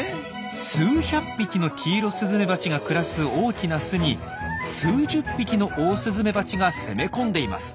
数百匹のキイロスズメバチが暮らす大きな巣に数十匹のオオスズメバチが攻め込んでいます。